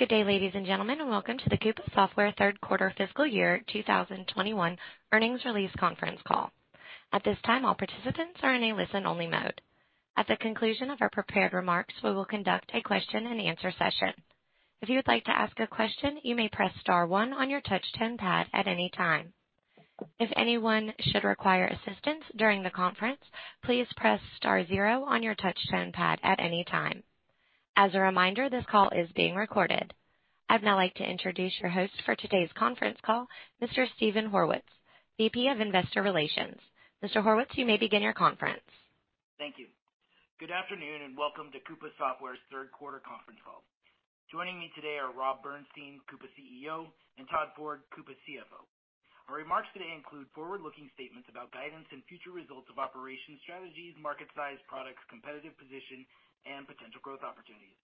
Good day, ladies and gentlemen, and welcome to the Coupa Software Q3 fiscal year 2021 earnings release conference call. At the conclusion of our prepared remarks, we will conduct a question and answer session. As a reminder, this call is being recorded. I'd now like to introduce your host for today's conference call, Mr. Steven Horwitz, VP of Investor Relations. Mr. Horwitz, you may begin your conference. Thank you. Good afternoon, and welcome to Coupa Software's Q3 conference call. Joining me today are Rob Bernshteyn, Coupa CEO, and Todd Ford, Coupa CFO. Our remarks today include forward-looking statements about guidance and future results of operations, strategies, market size, products, competitive position, and potential growth opportunities.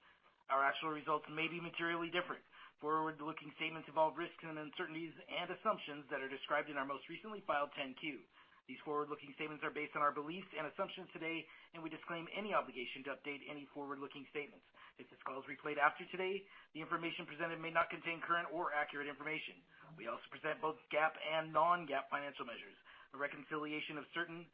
Our actual results may be materially different. Forward-looking statements involve risks and uncertainties and assumptions that are described in our most recently filed 10-Q. These forward-looking statements are based on our beliefs and assumptions today, and we disclaim any obligation to update any forward-looking statements. If this call is replayed after today, the information presented may not contain current or accurate information. We also present both GAAP and non-GAAP financial measures. A reconciliation of certain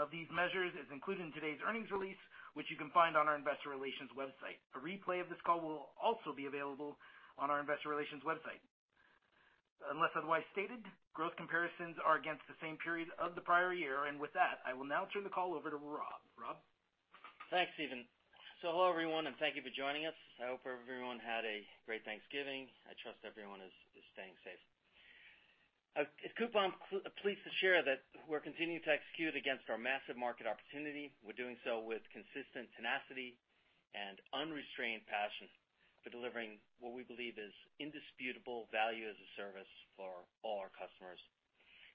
of these measures is included in today's earnings release, which you can find on our investor relations website. A replay of this call will also be available on our investor relations website. Unless otherwise stated, growth comparisons are against the same period of the prior year. With that, I will now turn the call over to Rob. Rob? Thanks, Steven. Hello, everyone, thank you for joining us. I hope everyone had a great Thanksgiving. I trust everyone is staying safe. At Coupa, I'm pleased to share that we're continuing to execute against our massive market opportunity. We're doing so with consistent tenacity and unrestrained passion for delivering what we believe is indisputable value as a service for all our customers.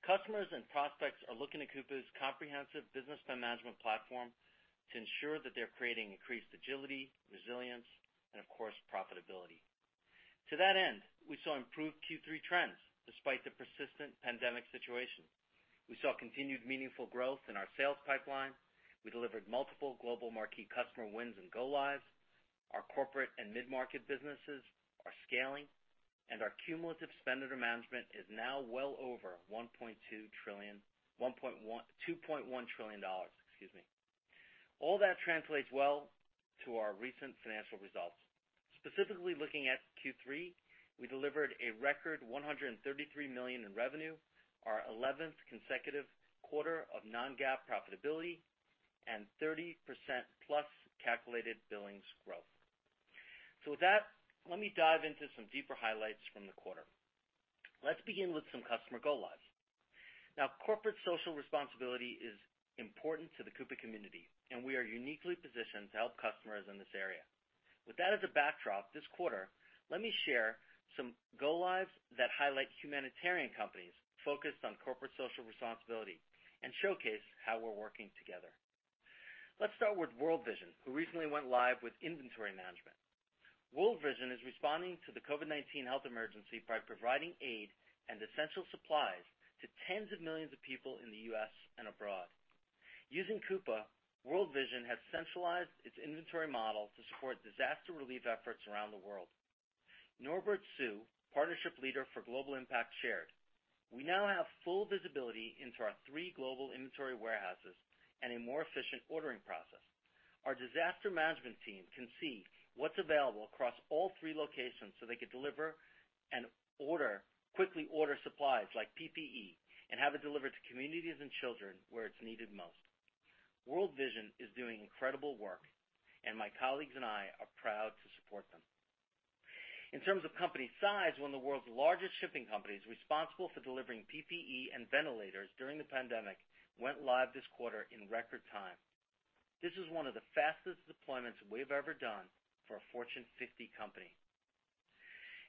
Customers and prospects are looking to Coupa's comprehensive business spend management platform to ensure that they're creating increased agility, resilience, and of course, profitability. To that end, we saw improved Q3 trends despite the persistent pandemic situation. We saw continued meaningful growth in our sales pipeline. We delivered multiple global marquee customer wins and go-lives. Our corporate and mid-market businesses are scaling, and our cumulative spend under management is now well over $2.1 trillion. Excuse me. All that translates well to our recent financial results. Specifically looking at Q3, we delivered a record $133 million in revenue, our 11th consecutive quarter of non-GAAP profitability, and 30%+ calculated billings growth. With that, let me dive into some deeper highlights from the quarter. Let's begin with some customer go-lives. Now, corporate social responsibility is important to the Coupa community, and we are uniquely positioned to help customers in this area. With that as a backdrop this quarter, let me share some go-lives that highlight humanitarian companies focused on corporate social responsibility and showcase how we're working together. Let's start with World Vision, who recently went live with inventory management. World Vision is responding to the COVID-19 health emergency by providing aid and essential supplies to tens of millions of people in the U.S. and abroad. Using Coupa, World Vision has centralized its inventory model to support disaster relief efforts around the world. Norbert Hsu, Partnership Leader for Global Impact, shared, "We now have full visibility into our three global inventory warehouses and a more efficient ordering process. Our disaster management team can see what's available across all three locations so they could deliver and quickly order supplies like PPE and have it delivered to communities and children where it's needed most." World Vision is doing incredible work, my colleagues and I are proud to support them. In terms of company size, one of the world's largest shipping companies responsible for delivering PPE and ventilators during the pandemic went live this quarter in record time. This is one of the fastest deployments we've ever done for a Fortune 50 company.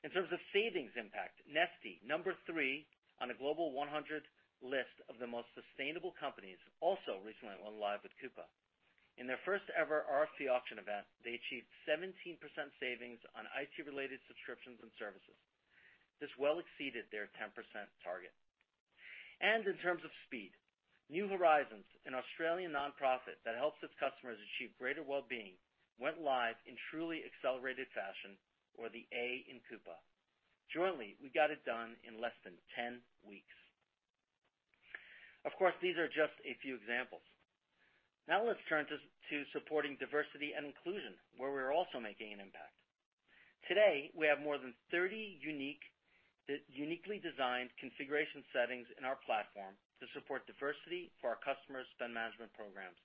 In terms of savings impact, Neste, number 3 on a global 100 list of the most sustainable companies, also recently went live with Coupa. In their first ever RFx auction event, they achieved 17% savings on IT-related subscriptions and services. This well exceeded their 10% target. In terms of speed, New Horizons, an Australian nonprofit that helps its customers achieve greater well-being, went live in truly accelerated fashion or the A in Coupa. Jointly, we got it done in less than 10 weeks. Of course, these are just a few examples. Now let's turn to supporting diversity and inclusion, where we're also making an impact. Today, we have more than 30 uniquely designed configuration settings in our platform to support diversity for our customers' spend management programs.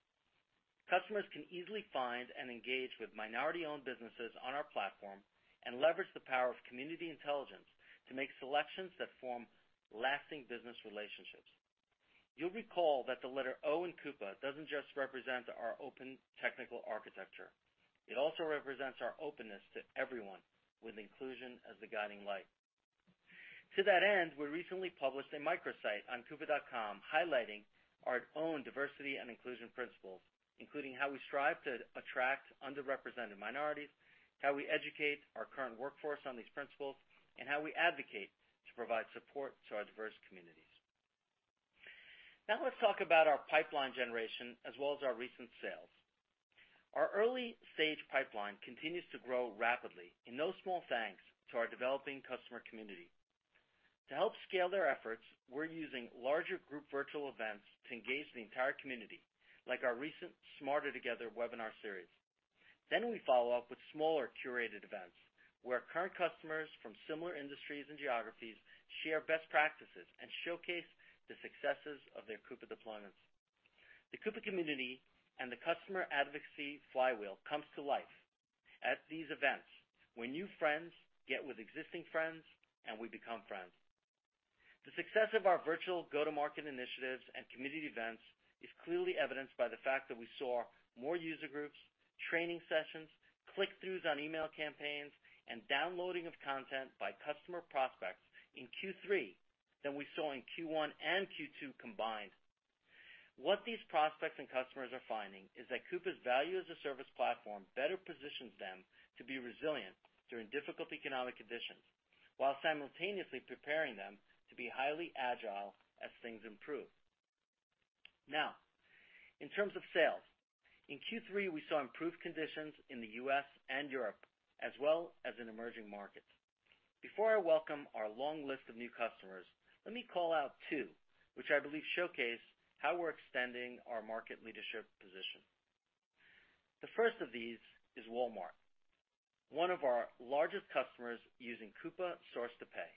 Customers can easily find and engage with minority-owned businesses on our platform and leverage the power of Community Intelligence to make selections that form lasting business relationships. You'll recall that the letter O in Coupa doesn't just represent our open technical architecture. It also represents our openness to everyone with inclusion as the guiding light. To that end, we recently published a microsite on coupa.com highlighting our own diversity and inclusion principles, including how we strive to attract underrepresented minorities, how we educate our current workforce on these principles, and how we advocate to provide support to our diverse communities. Now let's talk about our pipeline generation as well as our recent sales. Our early-stage pipeline continues to grow rapidly in no small thanks to our developing customer community. To help scale their efforts, we're using larger group virtual events to engage the entire community, like our recent Smarter Together webinar series. We follow up with smaller curated events, where current customers from similar industries and geographies share best practices and showcase the successes of their Coupa deployments. The Coupa community and the customer advocacy flywheel comes to life at these events, where new friends get with existing friends, and we become friends. The success of our virtual go-to-market initiatives and community events is clearly evidenced by the fact that we saw more user groups, training sessions, click-throughs on email campaigns, and downloading of content by customer prospects in Q3 than we saw in Q1 and Q2 combined. What these prospects and customers are finding is that Coupa's value as a service platform better positions them to be resilient during difficult economic conditions, while simultaneously preparing them to be highly agile as things improve. In terms of sales, in Q3, we saw improved conditions in the U.S. and Europe, as well as in emerging markets. Before I welcome our long list of new customers, let me call out two, which I believe showcase how we're extending our market leadership position. The first of these is Walmart, one of our largest customers using Coupa Source-to-Pay.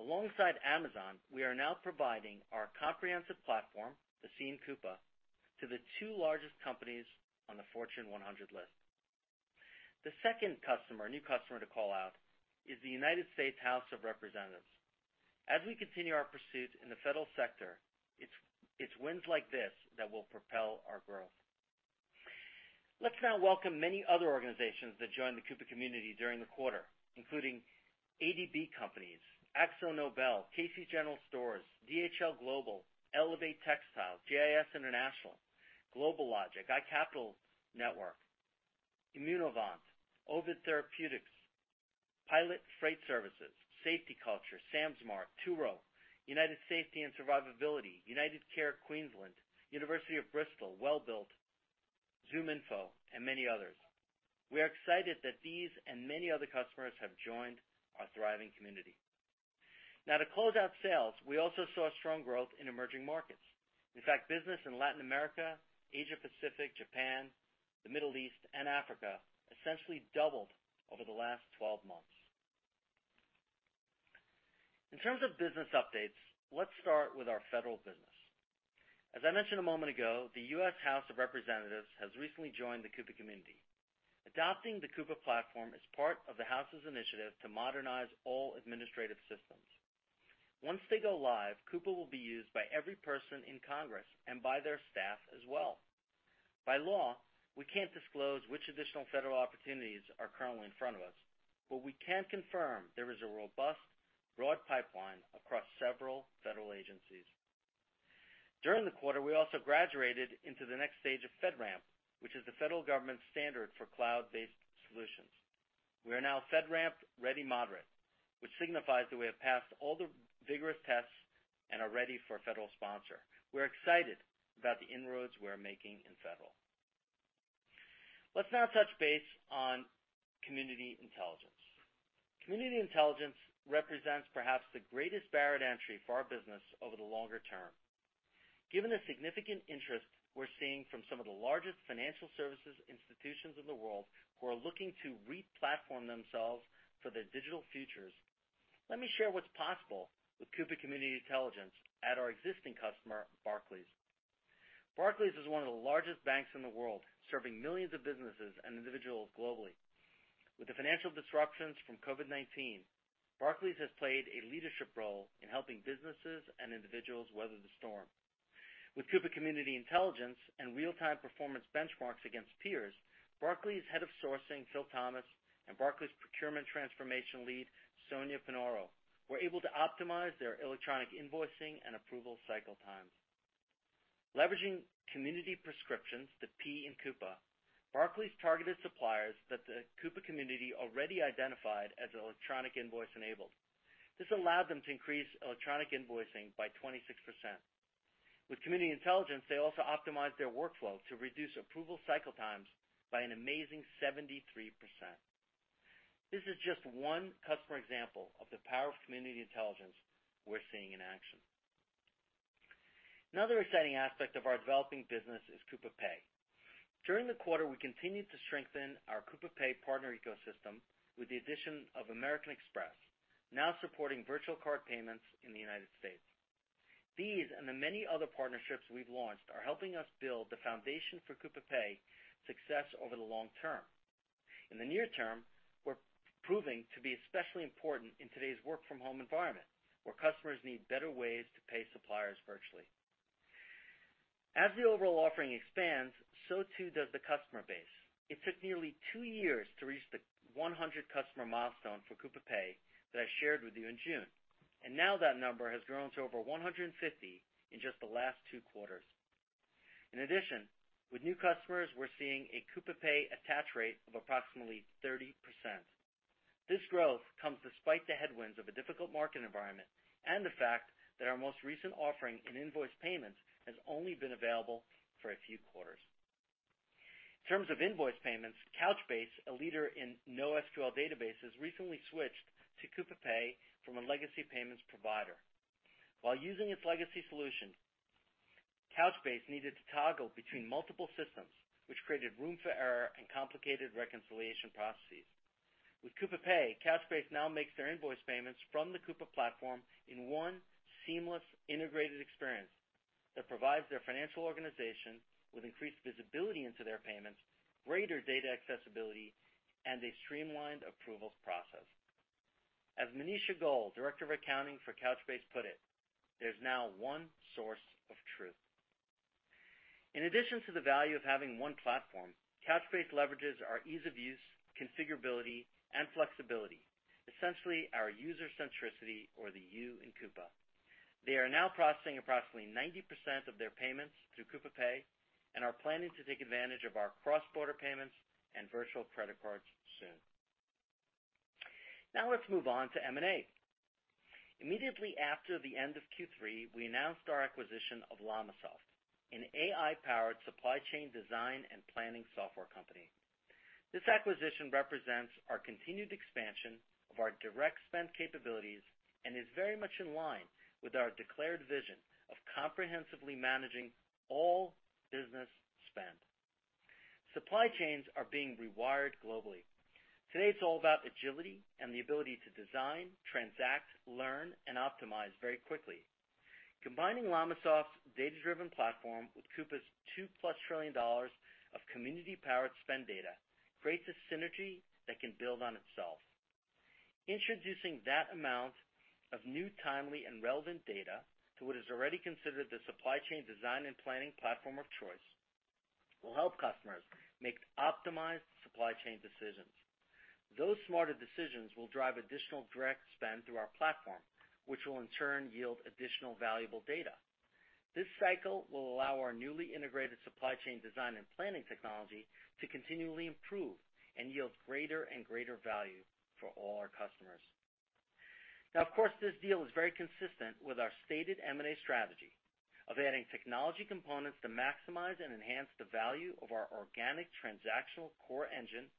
Alongside Amazon, we are now providing our comprehensive platform, the Coupa, to the two largest companies on the Fortune 100 list. The second new customer to call out is the United States House of Representatives. As we continue our pursuit in the federal sector, it's wins like this that will propel our growth. Let's now welcome many other organizations that joined the Coupa community during the quarter, including ADB Companies, AkzoNobel, Casey's General Stores, DHL Group, Elevate Textiles, GIS International, GlobalLogic, iCapital Network, Immunovant, Ovid Therapeutics, Pilot Freight Services, SafetyCulture, Samsara, Turo, United Safety and Survivability, UnitingCare Queensland, University of Bristol, Welbilt, ZoomInfo, and many others. We are excited that these and many other customers have joined our thriving community. Now to close out sales, we also saw strong growth in emerging markets. In fact, business in Latin America, Asia, Pacific, Japan, the Middle East, and Africa essentially doubled over the last 12 months. In terms of business updates, let's start with our federal business. As I mentioned a moment ago, the U.S. House of Representatives has recently joined the Coupa community. Adopting the Coupa platform is part of the House's initiative to modernize all administrative systems. Once they go live, Coupa will be used by every person in Congress and by their staff as well. By law, we can't disclose which additional federal opportunities are currently in front of us, but we can confirm there is a robust, broad pipeline across several federal agencies. During the quarter, we also graduated into the next stage of FedRAMP, which is the federal government's standard for cloud-based solutions. We are now FedRAMP Ready/Moderate, which signifies that we have passed all the vigorous tests and are ready for a federal sponsor. We're excited about the inroads we're making in federal. Let's now touch base on Community Intelligence. Community Intelligence represents perhaps the greatest barrier to entry for our business over the longer term. Given the significant interest we're seeing from some of the largest financial services institutions in the world who are looking to re-platform themselves for their digital futures, let me share what's possible with Coupa Community Intelligence at our existing customer, Barclays. Barclays is one of the largest banks in the world, serving millions of businesses and individuals globally. With the financial disruptions from COVID-19, Barclays has played a leadership role in helping businesses and individuals weather the storm. With Coupa Community Intelligence and real-time performance benchmarks against peers, Barclays Head of Sourcing, Phil Thomas, and Barclays Procurement Transformation Lead, Sonia Pinheiro, were able to optimize their electronic invoicing and approval cycle times. Leveraging community prescriptions, the P in Coupa, Barclays targeted suppliers that the Coupa community already identified as electronic invoice-enabled. This allowed them to increase electronic invoicing by 26%. With Community Intelligence, they also optimized their workflow to reduce approval cycle times by an amazing 73%. This is just one customer example of the power of Community Intelligence we're seeing in action. Another exciting aspect of our developing business is Coupa Pay. During the quarter, we continued to strengthen our Coupa Pay partner ecosystem with the addition of American Express, now supporting Virtual Card payments in the United States. These and the many other partnerships we've launched are helping us build the foundation for Coupa Pay success over the long term. In the near term, we're proving to be especially important in today's work-from-home environment, where customers need better ways to pay suppliers virtually. As the overall offering expands, so too does the customer base. It took nearly two years to reach the 100-customer milestone for Coupa Pay that I shared with you in June. Now that number has grown to over 150 in just the last two quarters. In addition, with new customers, we're seeing a Coupa Pay attach rate of approximately 30%. This growth comes despite the headwinds of a difficult market environment and the fact that our most recent offering in invoice payments has only been available for a few quarters. In terms of invoice payments, Couchbase, a leader in NoSQL databases, recently switched to Coupa Pay from a legacy payments provider. While using its legacy solution, Couchbase needed to toggle between multiple systems, which created room for error and complicated reconciliation processes. With Coupa Pay, Couchbase now makes their invoice payments from the Coupa platform in one seamless, integrated experience that provides their financial organization with increased visibility into their payments, greater data accessibility, and a streamlined approvals process. As Manisha Goel, Director of Accounting for Couchbase put it, "There's now one source of truth." In addition to the value of having one platform, Couchbase leverages our ease of use, configurability, and flexibility, essentially our user centricity or the You in Coupa. They are now processing approximately 90% of their payments through Coupa Pay and are planning to take advantage of our cross-border payments and virtual credit cards soon. Let's move on to M&A. Immediately after the end of Q3, we announced our acquisition of LLamasoft, an AI-powered supply chain design and planning software company. This acquisition represents our continued expansion of our direct spend capabilities and is very much in line with our declared vision of comprehensively managing all business spend. Supply chains are being rewired globally. Today, it's all about agility and the ability to design, transact, learn, and optimize very quickly. Combining LLamasoft's data-driven platform with Coupa's $2+ trillion of community-powered spend data creates a synergy that can build on itself. Introducing that amount of new, timely, and relevant data to what is already considered the supply chain design and planning platform of choice will help customers make optimized supply chain decisions. Those smarter decisions will drive additional direct spend through our platform, which will in turn yield additional valuable data. This cycle will allow our newly integrated supply chain design and planning technology to continually improve and yield greater and greater value for all our customers. Of course, this deal is very consistent with our stated M&A strategy of adding technology components to maximize and enhance the value of our organic transactional core engine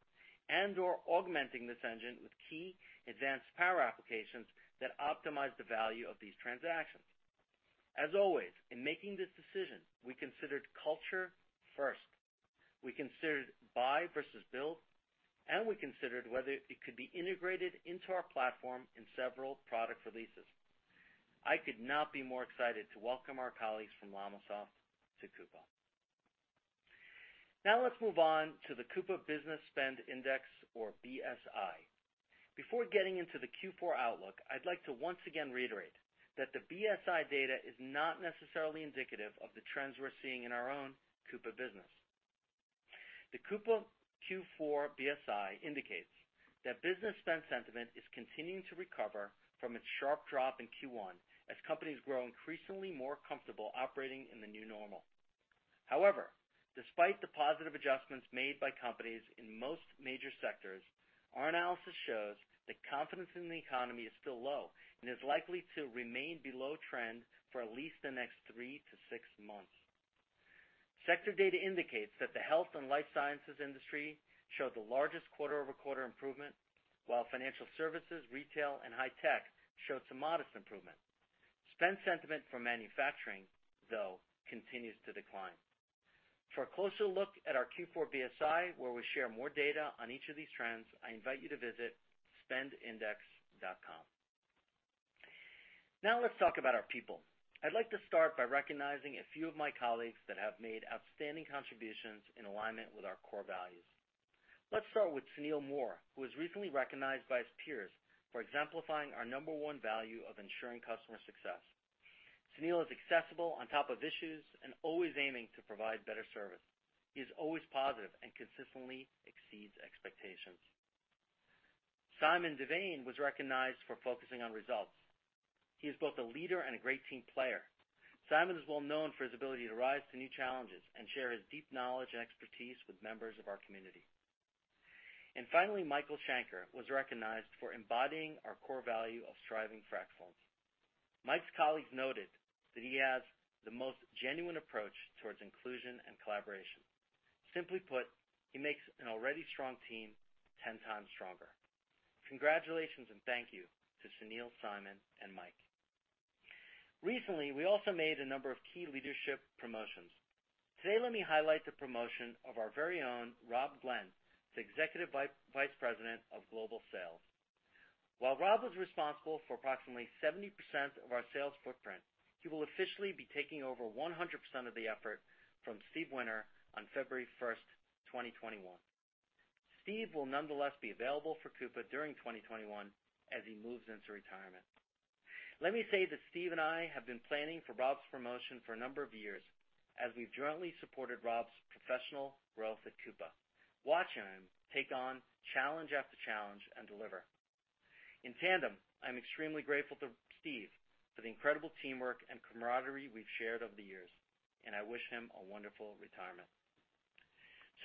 and/or augmenting this engine with key advanced power applications that optimize the value of these transactions. As always, in making this decision, we considered culture first. We considered buy versus build, and we considered whether it could be integrated into our platform in several product releases. I could not be more excited to welcome our colleagues from LLamasoft to Coupa. Now let's move on to the Coupa Business Spend Index, or BSI. Before getting into the Q4 outlook, I'd like to once again reiterate that the BSI data is not necessarily indicative of the trends we're seeing in our own Coupa business. The Coupa Q4 BSI indicates that business spend sentiment is continuing to recover from its sharp drop in Q1 as companies grow increasingly more comfortable operating in the new normal. However, despite the positive adjustments made by companies in most major sectors, our analysis shows that confidence in the economy is still low and is likely to remain below trend for at least the next three to six months. Sector data indicates that the health and life sciences industry showed the largest quarter-over-quarter improvement, while financial services, retail, and high tech showed some modest improvement. Spend sentiment for manufacturing, though, continues to decline. For a closer look at our Q4 BSI, where we share more data on each of these trends, I invite you to visit spendindex.com. Now let's talk about our people. I'd like to start by recognizing a few of my colleagues that have made outstanding contributions in alignment with our core values. Let's start with Sunil Moor, who was recently recognized by his peers for exemplifying our number one value of ensuring customer success. Sunil is accessible, on top of issues, and always aiming to provide better service. He is always positive and consistently exceeds expectations. Simon Devane was recognized for focusing on results. He is both a leader and a great team player. Simon is well known for his ability to rise to new challenges and share his deep knowledge and expertise with members of our community. Finally, Michael Shanker was recognized for embodying our core value of Striving for Excellence. Mike's colleagues noted that he has the most genuine approach towards inclusion and collaboration. Simply put, he makes an already strong team 10 times stronger. Congratulations and thank you to Sunil, Simon, and Mike. Recently, we also made a number of key leadership promotions. Today, let me highlight the promotion of our very own Rob Glenn to Executive Vice President of Global Sales. While Rob was responsible for approximately 70% of our sales footprint, he will officially be taking over 100% of the effort from Steve Winter on February 1st, 2021. Steve will nonetheless be available for Coupa during 2021 as he moves into retirement. Let me say that Steve and I have been planning for Rob's promotion for a number of years as we've jointly supported Rob's professional growth at Coupa, watching him take on challenge after challenge and deliver. In tandem, I'm extremely grateful to Steve for the incredible teamwork and camaraderie we've shared over the years, and I wish him a wonderful retirement.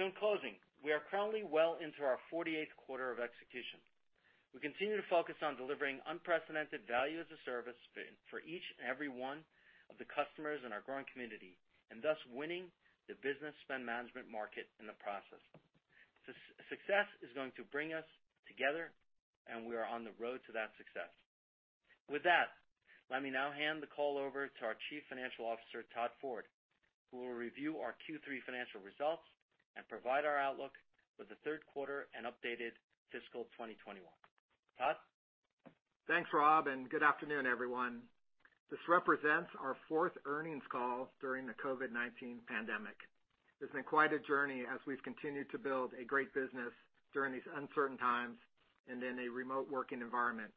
In closing, we are currently well into our 48th quarter of execution. We continue to focus on delivering unprecedented value as a service for each and every one of the customers in our growing community, and thus winning the business spend management market in the process. Success is going to bring us together, and we are on the road to that success. With that, let me now hand the call over to our Chief Financial Officer, Todd Ford, who will review our Q3 financial results and provide our outlook for the Q3 and updated fiscal 2021. Todd? Thanks, Rob. Good afternoon, everyone. This represents our fourth earnings call during the COVID-19 pandemic. It's been quite a journey as we've continued to build a great business during these uncertain times and in a remote working environment.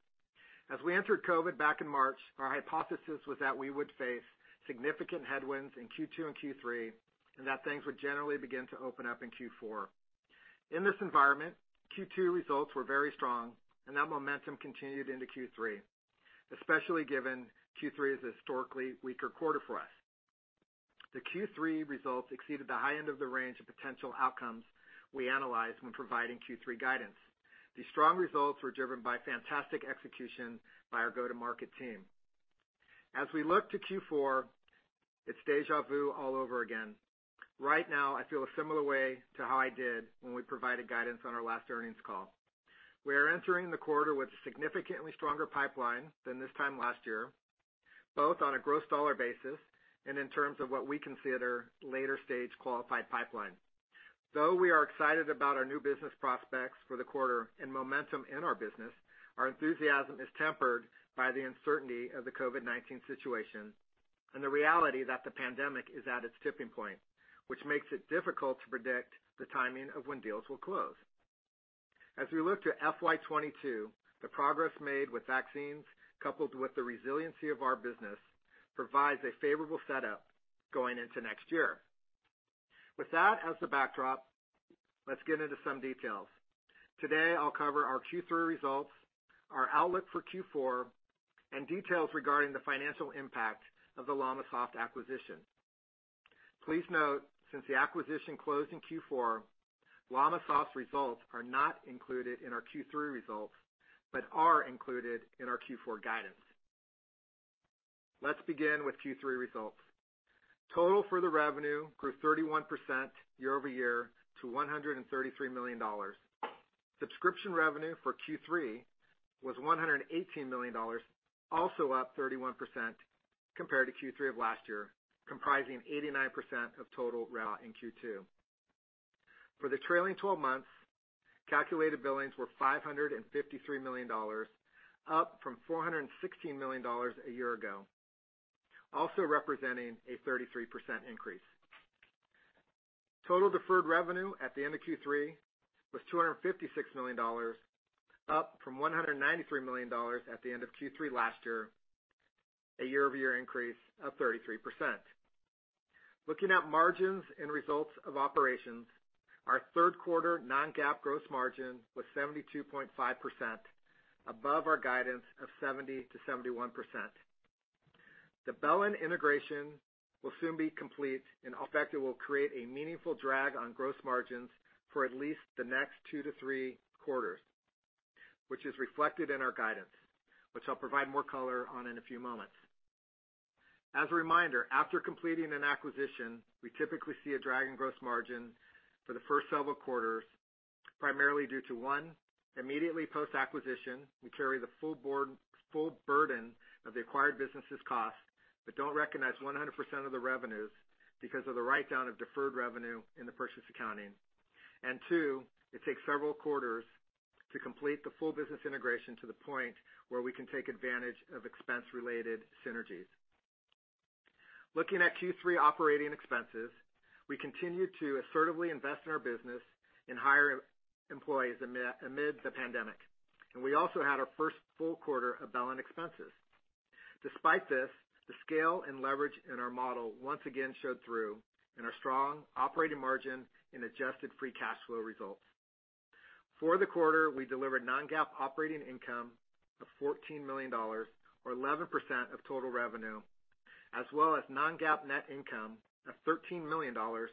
As we entered COVID back in March, our hypothesis was that we would face significant headwinds in Q2 and Q3, and that things would generally begin to open up in Q4. In this environment, Q2 results were very strong, and that momentum continued into Q3, especially given Q3 is a historically weaker quarter for us. The Q3 results exceeded the high end of the range of potential outcomes we analyzed when providing Q3 guidance. These strong results were driven by fantastic execution by our go-to-market team. As we look to Q4, it's deja vu all over again. Right now, I feel a similar way to how I did when we provided guidance on our last earnings call. We are entering the quarter with a significantly stronger pipeline than this time last year, both on a gross dollar basis and in terms of what we consider later-stage qualified pipeline. Though we are excited about our new business prospects for the quarter and momentum in our business, our enthusiasm is tempered by the uncertainty of the COVID-19 situation and the reality that the pandemic is at its tipping point, which makes it difficult to predict the timing of when deals will close. As we look to FY 2022, the progress made with vaccines, coupled with the resiliency of our business, provides a favorable setup going into next year. With that as the backdrop, let's get into some details. Today, I'll cover our Q3 results, our outlook for Q4, and details regarding the financial impact of the LLamasoft acquisition. Please note, since the acquisition closed in Q4, LLamasoft's results are not included in our Q3 results but are included in our Q4 guidance. Let's begin with Q3 results. Total revenue grew 31% year-over-year to $133 million. Subscription revenue for Q3 was $118 million, also up 31% compared to Q3 of last year, comprising 89% of total rev in Q2. For the trailing 12 months, calculated billings were $553 million, up from $416 million a year ago, also representing a 33% increase. Total deferred revenue at the end of Q3 was $256 million, up from $193 million at the end of Q3 last year, a year-over-year increase of 33%. Looking at margins and results of operations, our Q3 non-GAAP gross margin was 72.5%, above our guidance of 70%-71%. The BELLIN integration will soon be complete, in effect, it will create a meaningful drag on gross margins for at least the next two to three quarters, which is reflected in our guidance, which I'll provide more color on in a few moments. As a reminder, after completing an acquisition, we typically see a drag in gross margin for the first several quarters, primarily due to one, immediately post-acquisition, we carry the full burden of the acquired business's cost, but don't recognize 100% of the revenues because of the write-down of deferred revenue in the purchase accounting. Two, it takes several quarters to complete the full business integration to the point where we can take advantage of expense-related synergies. Looking at Q3 operating expenses, we continued to assertively invest in our business and hire employees amid the pandemic. We also had our first full quarter of BELLIN expenses. Despite this, the scale and leverage in our model once again showed through in our strong operating margin and adjusted free cash flow results. For the quarter, we delivered non-GAAP operating income of $14 million, or 11% of total revenue, as well as non-GAAP net income of $13 million, or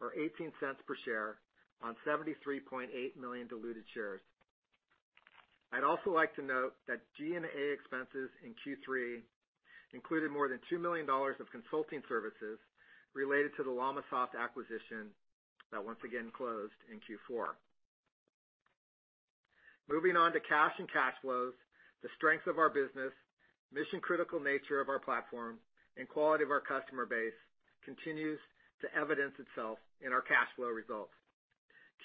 $0.18 per share on 73.8 million diluted shares. I'd also like to note that G&A expenses in Q3 included more than $2 million of consulting services related to the LLamasoft acquisition that once again closed in Q4. Moving on to cash and cash flows, the strength of our business, mission-critical nature of our platform, and quality of our customer base continues to evidence itself in our cash flow results.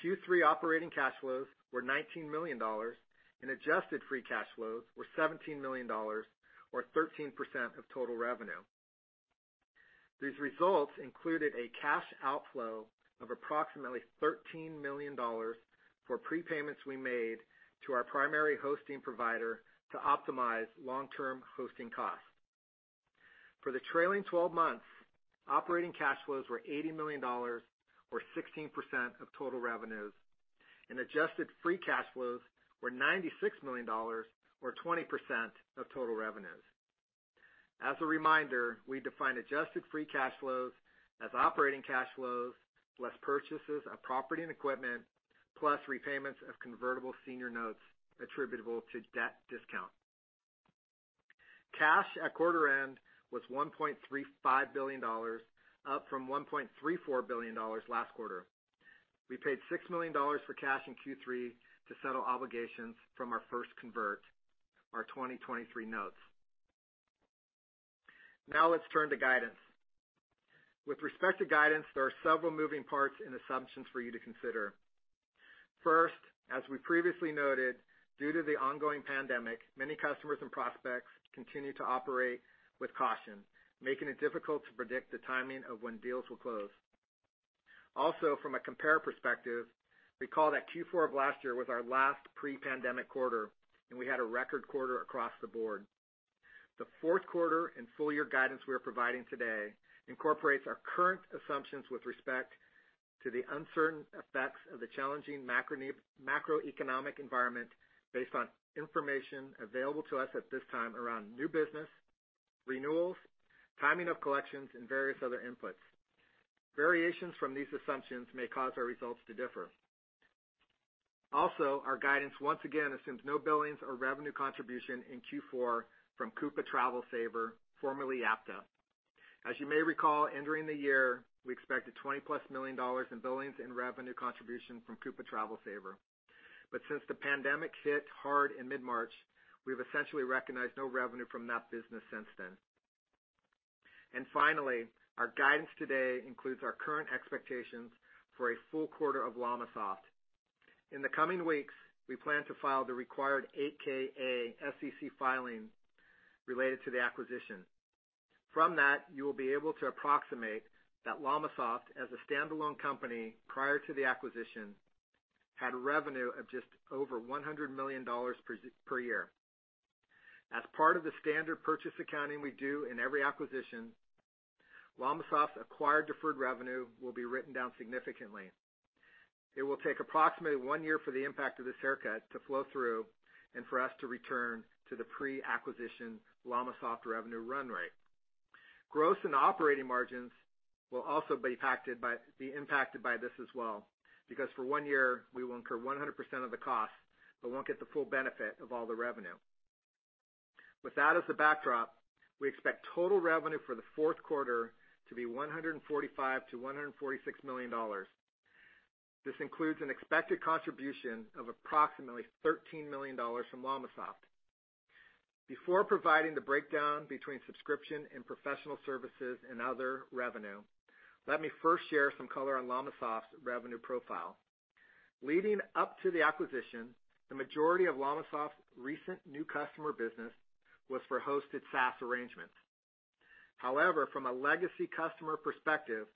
Q3 operating cash flows were $19 million, adjusted free cash flows were $17 million, or 13% of total revenue. These results included a cash outflow of approximately $13 million for prepayments we made to our primary hosting provider to optimize long-term hosting costs. For the trailing 12 months, operating cash flows were $80 million, or 16% of total revenues, and adjusted free cash flows were $96 million, or 20% of total revenues. As a reminder, we define adjusted free cash flows as operating cash flows, less purchases of property and equipment, plus repayments of convertible senior notes attributable to debt discount. Cash at quarter end was $1.35 billion, up from $1.34 billion last quarter. We paid $6 million for cash in Q3 to settle obligations from our first convert, our 2023 notes. Let's turn to guidance. With respect to guidance, there are several moving parts and assumptions for you to consider. First, as we previously noted, due to the ongoing pandemic, many customers and prospects continue to operate with caution, making it difficult to predict the timing of when deals will close. From a compare perspective, recall that Q4 of last year was our last pre-pandemic quarter, and we had a record quarter across the board. The Q4 and full year guidance we are providing today incorporates our current assumptions with respect to the uncertain effects of the challenging macroeconomic environment based on information available to us at this time around new business, renewals, timing of collections, and various other inputs. Variations from these assumptions may cause our results to differ. Our guidance once again assumes no billings or revenue contribution in Q4 from Coupa Travel Saver, formerly Yapta. As you may recall, entering the year, we expected $20-plus million in billings and revenue contribution from Coupa Travel Saver. Since the pandemic hit hard in mid-March, we've essentially recognized no revenue from that business since then. Finally, our guidance today includes our current expectations for a full quarter of LLamasoft. In the coming weeks, we plan to file the required 8-K/A SEC filing related to the acquisition. From that, you will be able to approximate that LLamasoft, as a standalone company prior to the acquisition, had revenue of just over $100 million per year. As part of the standard purchase accounting we do in every acquisition, LLamasoft's acquired deferred revenue will be written down significantly. It will take approximately one year for the impact of this haircut to flow through and for us to return to the pre-acquisition LLamasoft revenue run rate. Gross and operating margins will also be impacted by this as well, because for one year, we will incur 100% of the cost but won't get the full benefit of all the revenue. With that as the backdrop, we expect total revenue for the Q4 to be $145 million-$146 million. This includes an expected contribution of approximately $13 million from LLamasoft. Before providing the breakdown between subscription and professional services and other revenue, let me first share some color on LLamasoft's revenue profile. Leading up to the acquisition, the majority of LLamasoft's recent new customer business was for hosted SaaS arrangements. However, from a legacy customer perspective,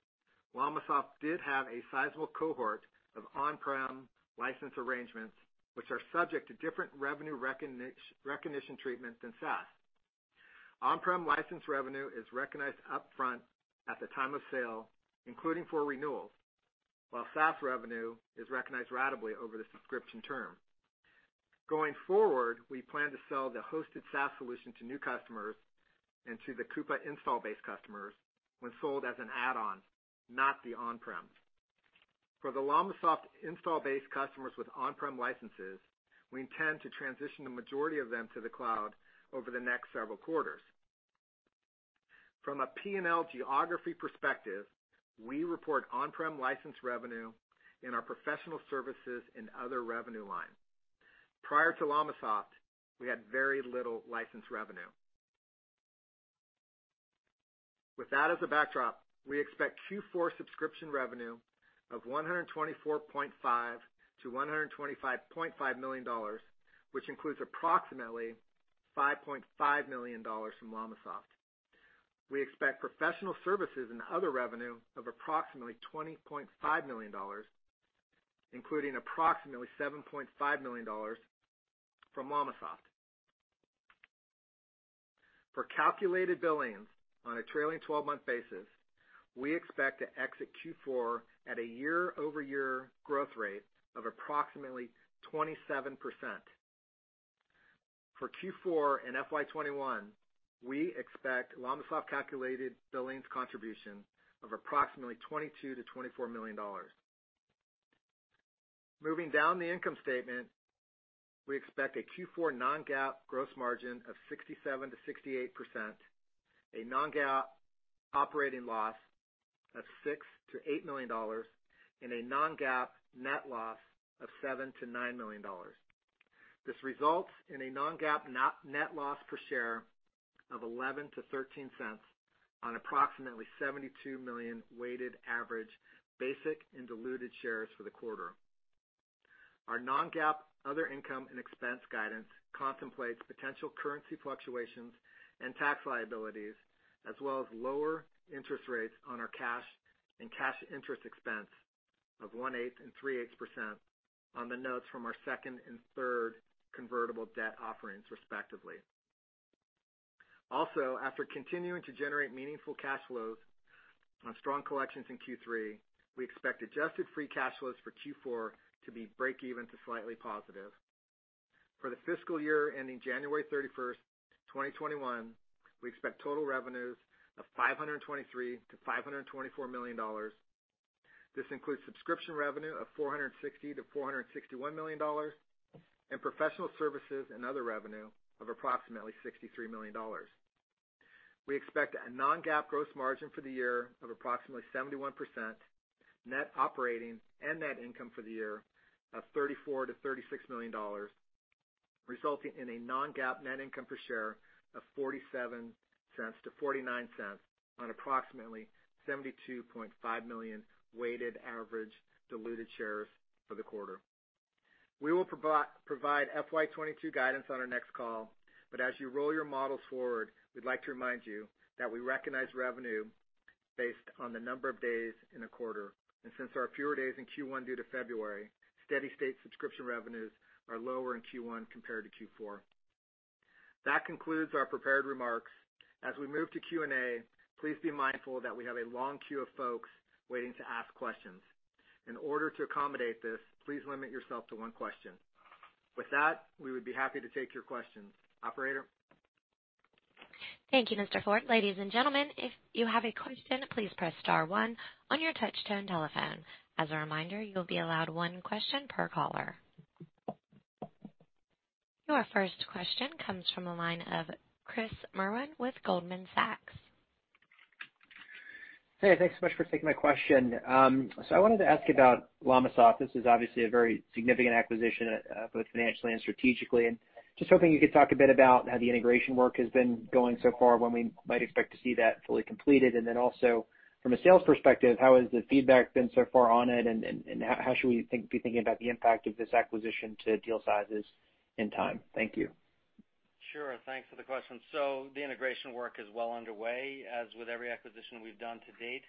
LLamasoft did have a sizable cohort of on-prem license arrangements, which are subject to different revenue recognition treatment than SaaS. On-prem license revenue is recognized upfront at the time of sale, including for renewals, while SaaS revenue is recognized ratably over the subscription term. Going forward, we plan to sell the hosted SaaS solution to new customers and to the Coupa install-base customers when sold as an add-on, not the on-prem. For the LLamasoft install-base customers with on-prem licenses, we intend to transition the majority of them to the cloud over the next several quarters. From a P&L geography perspective, we report on-prem license revenue in our professional services and other revenue line. Prior to LLamasoft, we had very little license revenue. With that as a backdrop, we expect Q4 subscription revenue of $124.5 million-$125.5 million, which includes approximately $5.5 million from LLamasoft. We expect professional services and other revenue of approximately $20.5 million, including approximately $7.5 million from LLamasoft. For calculated billings on a trailing 12-month basis, we expect to exit Q4 at a year-over-year growth rate of approximately 27%. For Q4 and FY 2021, we expect LLamasoft calculated billings contribution of approximately $22 million-$24 million. Moving down the income statement, we expect a Q4 non-GAAP gross margin of 67%-68%, a non-GAAP operating loss of $6 million-$8 million, and a non-GAAP net loss of $7 million-$9 million. This results in a non-GAAP net loss per share of $0.11-$0.13 on approximately 72 million weighted average basic and diluted shares for the quarter. Our non-GAAP other income and expense guidance contemplates potential currency fluctuations and tax liabilities, as well as lower interest rates on our cash and cash interest expense of one-eighth and three-eighths percent on the notes from our second and third convertible debt offerings, respectively. After continuing to generate meaningful cash flows on strong collections in Q3, we expect adjusted free cash flows for Q4 to be breakeven to slightly positive. For the fiscal year ending January 31st, 2021, we expect total revenues of $523 million-$524 million. This includes subscription revenue of $460 million-$461 million, and professional services and other revenue of approximately $63 million. We expect a non-GAAP gross margin for the year of approximately 71%, net operating and net income for the year of $34 million-$36 million, resulting in a non-GAAP net income per share of $0.47-$0.49 on approximately 72.5 million weighted average diluted shares for the quarter. We will provide FY 2022 guidance on our next call, but as you roll your models forward, we'd like to remind you that we recognize revenue based on the number of days in a quarter. Since there are fewer days in Q1 due to February, steady-state subscription revenues are lower in Q1 compared to Q4. That concludes our prepared remarks. As we move to Q&A, please be mindful that we have a long queue of folks waiting to ask questions. In order to accommodate this, please limit yourself to one question. With that, we would be happy to take your questions. Operator? Thank you, Mr. Ford. Ladies and gentlemen, if you have a question, please press star one on your touch-tone telephone. As a reminder, you will be allowed one question per caller. Your first question comes from the line of Chris Merwin with Goldman Sachs. Hey, thanks so much for taking my question. I wanted to ask about LLamasoft. This is obviously a very significant acquisition, both financially and strategically, and just hoping you could talk a bit about how the integration work has been going so far, when we might expect to see that fully completed, and then also from a sales perspective, how has the feedback been so far on it, and how should we be thinking about the impact of this acquisition to deal sizes in time? Thank you. Sure. Thanks for the question. The integration work is well underway. As with every acquisition we've done to date,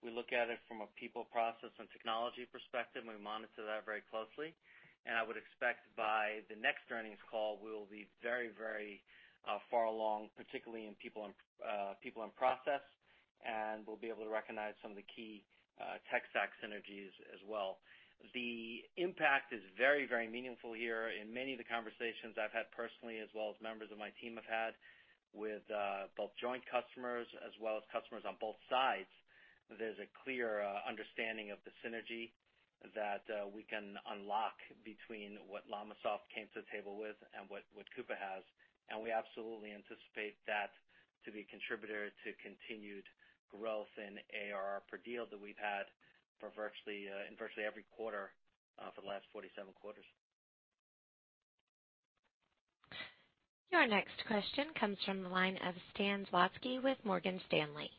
we look at it from a people, process, and technology perspective, and we monitor that very closely. I would expect by the next earnings call, we will be very far along, particularly in people and process, and we'll be able to recognize some of the key tech stack synergies as well. The impact is very meaningful here. In many of the conversations I've had personally, as well as members of my team have had with both joint customers as well as customers on both sides, there's a clear understanding of the synergy that we can unlock between what LLamasoft came to the table with and what Coupa has. We absolutely anticipate that to be a contributor to continued growth in ARR per deal that we've had in virtually every quarter for the last 47 quarters. Your next question comes from the line of Stan Zlotsky with Morgan Stanley.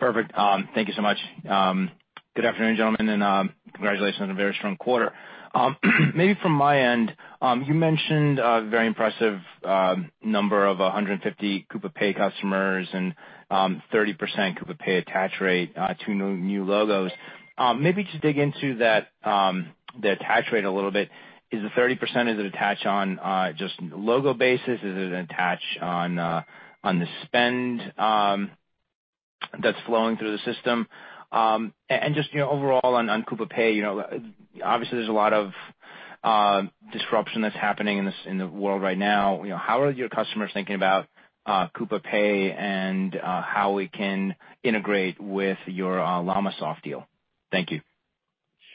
Perfect. Thank you so much. Good afternoon, gentlemen, and congratulations on a very strong quarter. Maybe from my end, you mentioned a very impressive number of 150 Coupa Pay customers and 30% Coupa Pay attach rate to new logos. Maybe just dig into the attach rate a little bit. Is the 30%, is it attached on just logo basis? Is it attached on the spend that's flowing through the system? Just overall on Coupa Pay, obviously, there's a lot of disruption that's happening in the world right now. How are your customers thinking about Coupa Pay and how it can integrate with your LLamasoft deal? Thank you.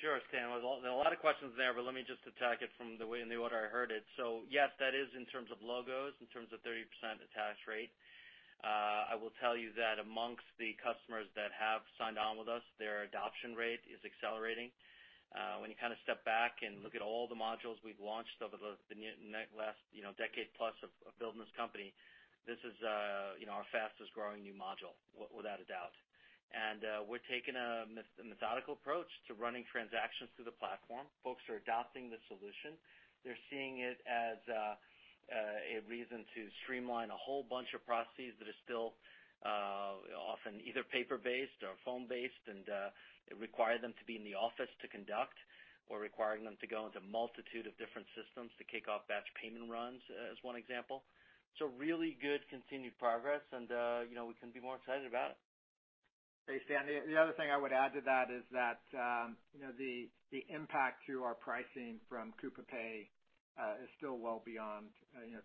Sure, Stan. There were a lot of questions there, let me just attack it from the way and the order I heard it. Yes, that is in terms of logos, in terms of 30% attach rate. I will tell you that amongst the customers that have signed on with us, their adoption rate is accelerating. When you step back and look at all the modules we've launched over the last decade plus of building this company, this is our fastest-growing new module, without a doubt. We're taking a methodical approach to running transactions through the platform. Folks are adopting the solution. They're seeing it as a reason to streamline a whole bunch of processes that are still often either paper-based or phone-based and require them to be in the office to conduct or requiring them to go into a multitude of different systems to kick off batch payment runs, as one example. Really good continued progress, and we couldn't be more excited about it. Hey, Stan, the other thing I would add to that is that the impact to our pricing from Coupa Pay is still well beyond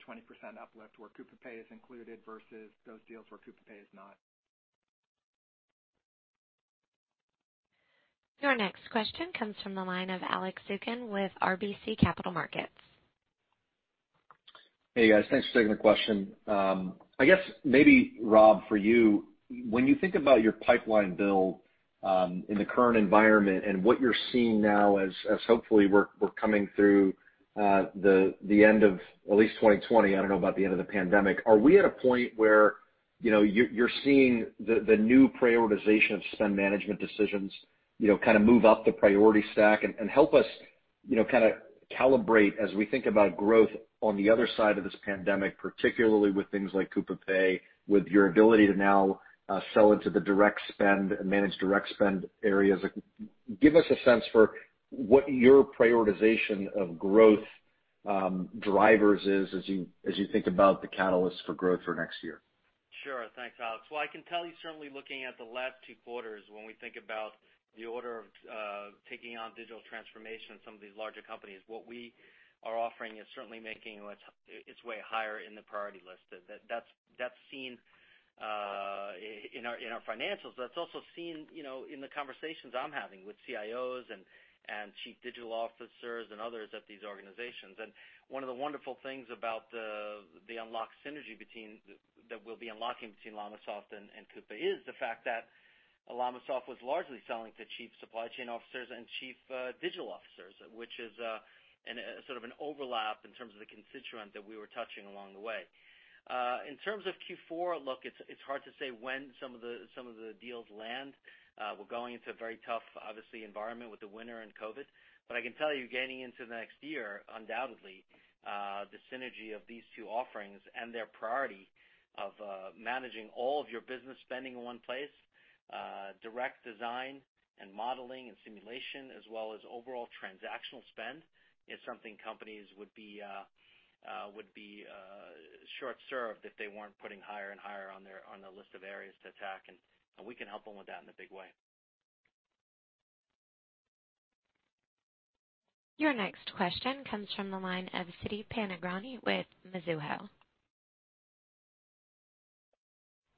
20% uplift where Coupa Pay is included versus those deals where Coupa Pay is not. Your next question comes from the line of Alex Zukin with RBC Capital Markets. Hey, guys. Thanks for taking the question. I guess maybe, Rob, for you, when you think about your pipeline bill in the current environment and what you're seeing now as hopefully we're coming through the end of at least 2020, I don't know about the end of the pandemic, are we at a point where you're seeing the new prioritization of spend management decisions move up the priority stack? Help us kind of calibrate as we think about growth on the other side of this pandemic, particularly with things like Coupa Pay, with your ability to now sell into the managed direct spend areas. Give us a sense for what your prioritization of growth drivers is, as you think about the catalyst for growth for next year. Sure. Thanks, Alex. Well, I can tell you, certainly looking at the last two quarters, when we think about the order of taking on digital transformation in some of these larger companies, what we are offering is certainly making its way higher in the priority list. That's seen in our financials, that's also seen in the conversations I'm having with CIOs and chief digital officers and others at these organizations. One of the wonderful things about the unlocked synergy that we'll be unlocking between LLamasoft and Coupa is the fact that LLamasoft was largely selling to chief supply chain officers and chief digital officers, which is sort of an overlap in terms of the constituent that we were touching along the way. In terms of Q4 outlook, it's hard to say when some of the deals land. We're going into a very tough, obviously, environment with the winter and COVID. I can tell you, getting into the next year, undoubtedly, the synergy of these two offerings and their priority of managing all of your business spending in one place, direct design and modeling and simulation, as well as overall transactional spend, is something companies would be short-served if they weren't putting higher and higher on the list of areas to attack. We can help them with that in a big way. Your next question comes from the line of Siti Panigrahi with Mizuho.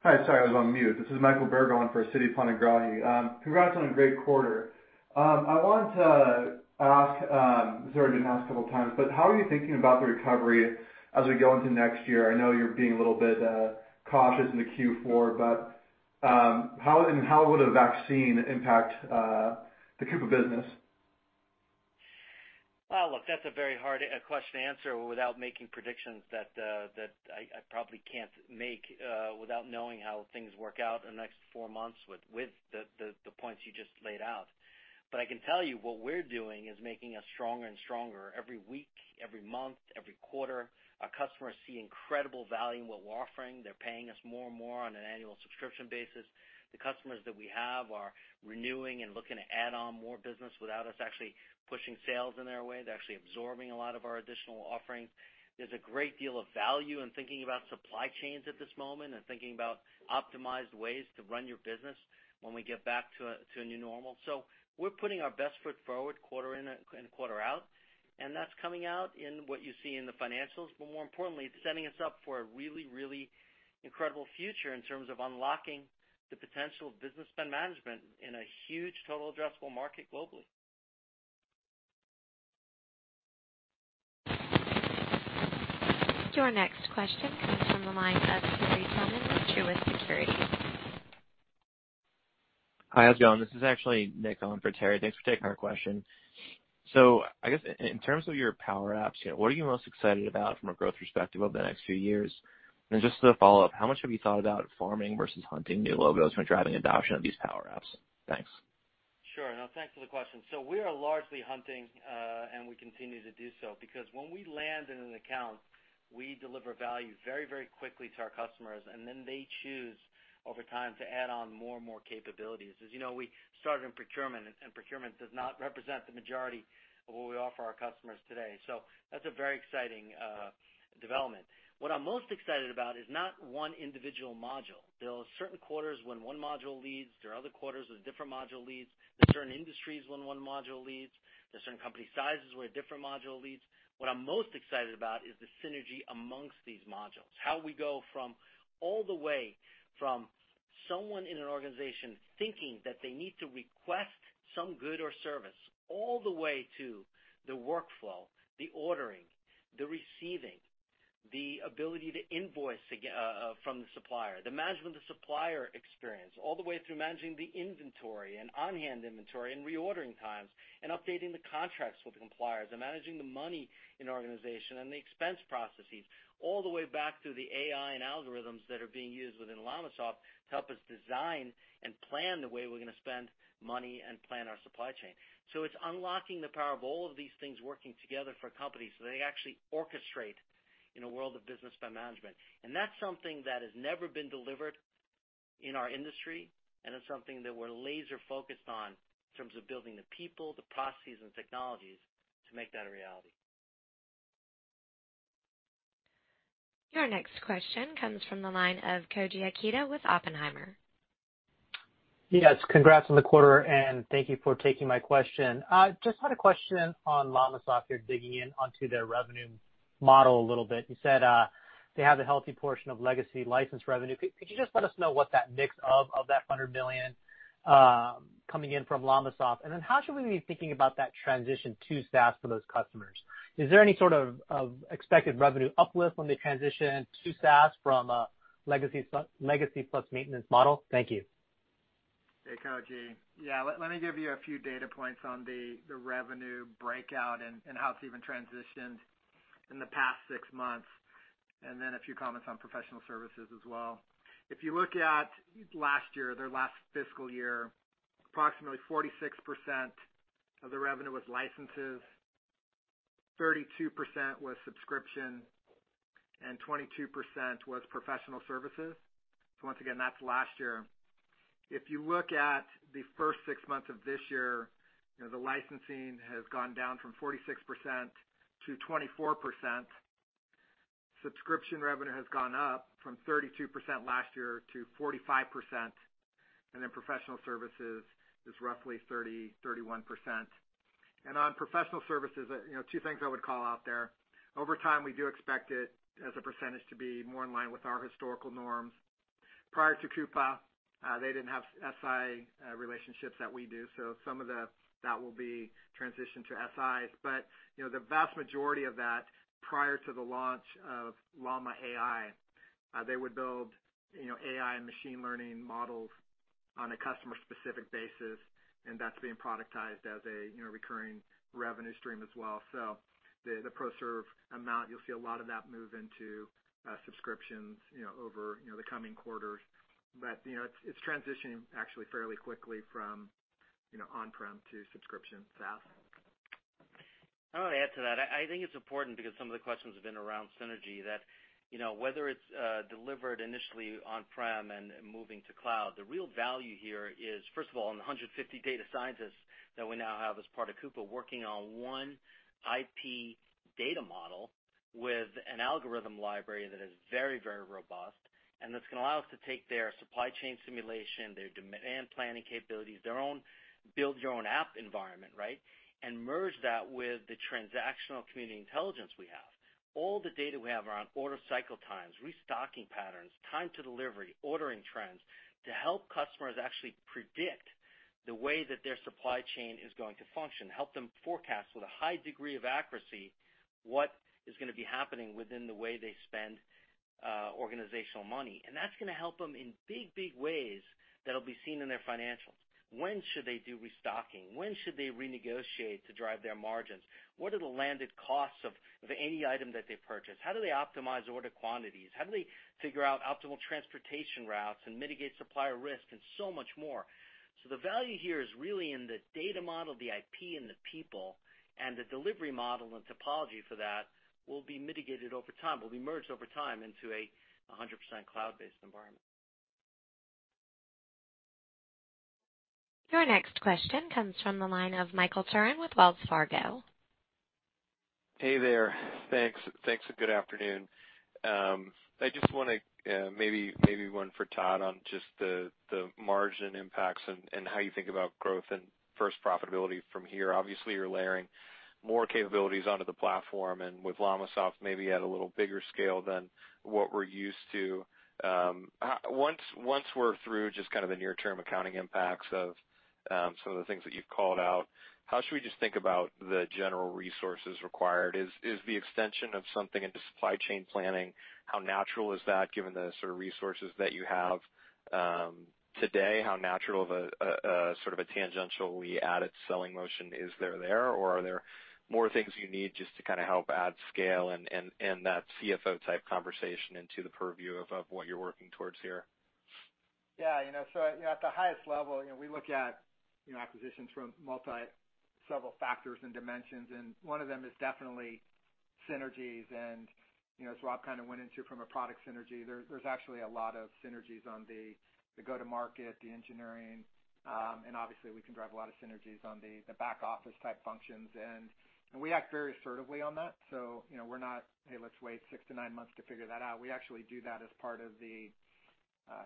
Hi, sorry, I was on mute. This is Michael Berg for Siti Panigrahi. Congrats on a great quarter. I wanted to ask, this has already been asked a couple of times, but how are you thinking about the recovery as we go into next year? I know you're being a little bit cautious into Q4, but how would a vaccine impact the Coupa business? Well, look, that's a very hard question to answer without making predictions that I probably can't make without knowing how things work out in the next four months with the points you just laid out. I can tell you what we're doing is making us stronger and stronger every week, every month, every quarter. Our customers see incredible value in what we're offering. They're paying us more and more on an annual subscription basis. The customers that we have are renewing and looking to add on more business without us actually pushing sales in their way. They're actually absorbing a lot of our additional offerings. There's a great deal of value in thinking about supply chains at this moment and thinking about optimized ways to run your business when we get back to a new normal. We're putting our best foot forward quarter in and quarter out, and that's coming out in what you see in the financials. More importantly, it's setting us up for a really, really incredible future in terms of unlocking the potential of business spend management in a huge total addressable market globally. Your next question comes from the line of Terry Tillman with Truist Securities. Hi, how's it going? This is actually Nick on for Terry. Thanks for taking our question. I guess in terms of your Power apps, what are you most excited about from a growth perspective over the next few years? Just as a follow-up, how much have you thought about farming versus hunting new logos for driving adoption of these Power apps? Thanks. Sure. No, thanks for the question. We are largely hunting, and we continue to do so, because when we land in an account, we deliver value very, very quickly to our customers, and then they choose over time to add on more and more capabilities. As you know, we started in procurement, and procurement does not represent the majority of what we offer our customers today. That's a very exciting development. What I'm most excited about is not one individual module. There are certain quarters when one module leads, there are other quarters with different module leads. There are certain industries when one module leads. There are certain company sizes where a different module leads. What I'm most excited about is the synergy amongst these modules. How we go all the way from someone in an organization thinking that they need to request some good or service, all the way to the workflow, the ordering, the receiving, the ability to invoice from the supplier, the management of the supplier experience, all the way through managing the inventory and on-hand inventory and reordering times and updating the contracts with the suppliers and managing the money in an organization and the expense processes, all the way back to the AI and algorithms that are being used within LLamasoft to help us design and plan the way we're going to spend money and plan our supply chain. It's unlocking the power of all of these things working together for companies so they actually orchestrate in a world of business spend management. That's something that has never been delivered in our industry, and it's something that we're laser-focused on in terms of building the people, the processes, and technologies to make that a reality. Your next question comes from the line of Koji Ikeda with Oppenheimer. Yes. Congrats on the quarter. Thank you for taking my question. Just had a question on LLamasoft here, digging in onto their revenue model a little bit. You said they have a healthy portion of legacy license revenue. Could you just let us know what that mix of that $100 million coming in from LLamasoft? How should we be thinking about that transition to SaaS for those customers? Is there any sort of expected revenue uplift when they transition to SaaS from a legacy plus maintenance model? Thank you. Hey, Koji. Yeah, let me give you a few data points on the revenue breakout and how it's even transitioned in the past six months. A few comments on professional services as well. If you look at last year, their last fiscal year, approximately 46% of the revenue was licenses, 32% was subscription, and 22% was professional services. Once again, that's last year. If you look at the first six months of this year, the licensing has gone down from 46%-24%. Subscription revenue has gone up from 32% last year to 45%, and then professional services is roughly 30%, 31%. On professional services, two things I would call out there. Over time, we do expect it, as a percentage, to be more in line with our historical norms. Prior to Coupa, they didn't have SI relationships that we do, so some of that will be transitioned to SIs. The vast majority of that, prior to the launch of llama.ai, they would build AI and machine learning models on a customer-specific basis, and that's being productized as a recurring revenue stream as well. The pro serve amount, you'll see a lot of that move into subscriptions over the coming quarters. It's transitioning actually fairly quickly from on-prem to subscription SaaS. I want to add to that. I think it's important because some of the questions have been around synergy, that whether it's delivered initially on-prem and moving to cloud, the real value here is, first of all, in the 150 data scientists that we now have as part of Coupa working on one IP data model with an algorithm library that is very robust, and that's going to allow us to take their supply chain simulation, their demand planning capabilities, their own build your own app environment, and merge that with the transactional Community Intelligence we have. All the data we have around order cycle times, restocking patterns, time to delivery, ordering trends, to help customers actually predict the way that their supply chain is going to function, help them forecast with a high degree of accuracy what is going to be happening within the way they spend organizational money. That's going to help them in big ways that'll be seen in their financials. When should they do restocking? When should they renegotiate to drive their margins? What are the landed costs of any item that they purchase? How do they optimize order quantities? How do they figure out optimal transportation routes and mitigate supplier risk, and so much more? The value here is really in the data model, the IP, and the people, and the delivery model and topology for that will be mitigated over time, will be merged over time into a 100% cloud-based environment. Your next question comes from the line of Michael Turrin with Wells Fargo. Hey there. Thanks, and good afternoon. Maybe one for Todd on just the margin impacts and how you think about growth and first profitability from here. Obviously, you're layering more capabilities onto the platform, and with LLamasoft, maybe at a little bigger scale than what we're used to. Once we're through just kind of the near-term accounting impacts of some of the things that you've called out, how should we just think about the general resources required? Is the extension of something into supply chain planning, how natural is that given the sort of resources that you have today? How natural of a tangentially added selling motion is there or are there more things you need just to kind of help add scale and that CFO-type conversation into the purview of what you're working towards here? At the highest level, we look at acquisitions from several factors and dimensions, and one of them is definitely synergies. As Rob kind of went into from a product synergy, there's actually a lot of synergies on the go-to-market, the engineering, and obviously, we can drive a lot of synergies on the back-office type functions. We act very assertively on that, so we're not, "Hey, let's wait six to nine months to figure that out." We actually do that as part of the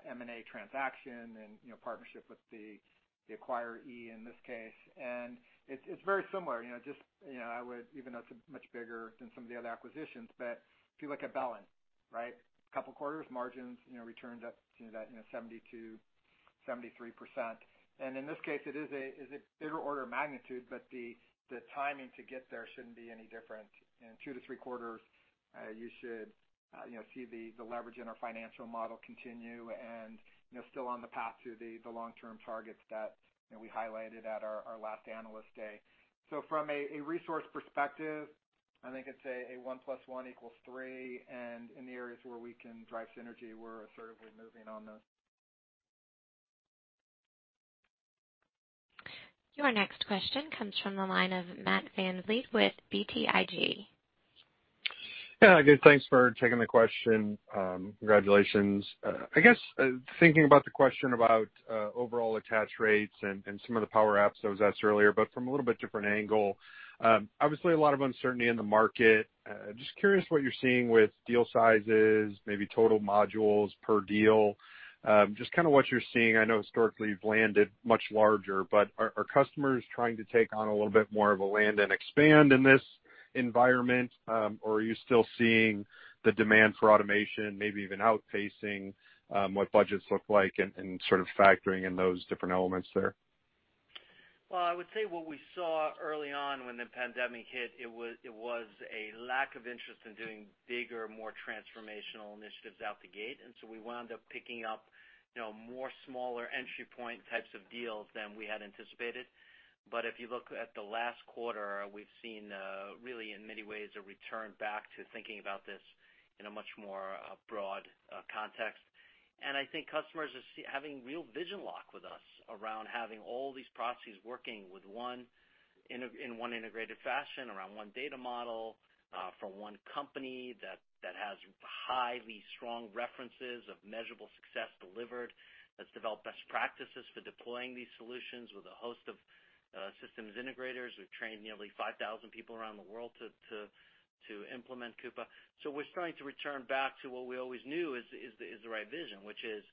M&A transaction and partnership with the acquiree in this case. It's very similar. Even though it's much bigger than some of the other acquisitions, if you look at Bellin. A couple of quarters, margins returned up to that 72%-73%. In this case, it is a bigger order of magnitude, but the timing to get there shouldn't be any different. In two to three quarters, you should see the leverage in our financial model continue and still on the path to the long-term targets that we highlighted at our last Analyst Day. From a resource perspective, I think it's a one plus one equals three, and in the areas where we can drive synergy, we're assertively moving on those. Your next question comes from the line of Matt VanVliet with BTIG. Yeah, good. Thanks for taking the question. Congratulations. I guess, thinking about the question about overall attach rates and some of the power apps that was asked earlier, but from a little bit different angle. Obviously, a lot of uncertainty in the market. Just curious what you're seeing with deal sizes, maybe total modules per deal. Just kind of what you're seeing. I know historically you've landed much larger. Are customers trying to take on a little bit more of a land and expand in this environment? Are you still seeing the demand for automation, maybe even outpacing what budgets look like, and sort of factoring in those different elements there? Well, I would say what we saw early on when the pandemic hit, it was a lack of interest in doing bigger, more transformational initiatives out the gate. We wound up picking up more smaller entry point types of deals than we had anticipated. If you look at the last quarter, we've seen, really in many ways, a return back to thinking about this in a much more broad context. I think customers are having real vision lock with us around having all these processes working in one integrated fashion, around one data model, from one company that has highly strong references of measurable success delivered, that's developed best practices for deploying these solutions with a host of systems integrators. We've trained nearly 5,000 people around the world to implement Coupa. We're starting to return back to what we always knew is the right vision, which is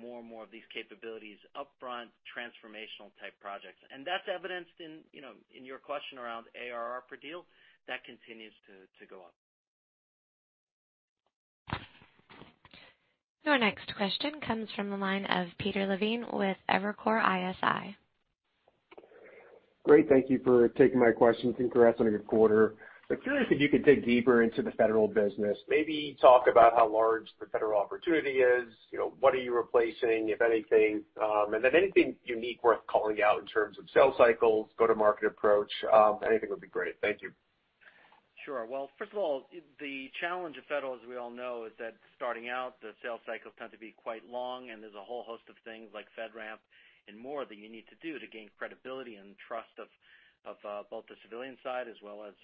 more and more of these capabilities upfront, transformational type projects. That's evidenced in your question around ARR per deal. That continues to go up. Your next question comes from the line of Peter Levine with Evercore ISI. Great, thank you for taking my question. Congratulations on a good quarter. I'm curious if you could dig deeper into the federal business, maybe talk about how large the federal opportunity is, what are you replacing, if anything, and then anything unique worth calling out in terms of sales cycles, go-to-market approach, anything would be great. Thank you. Sure. Well, first of all, the challenge of Federal, as we all know, is that starting out, the sales cycles tend to be quite long, and there's a whole host of things like FedRAMP and more that you need to do to gain credibility and trust of both the civilian side as well as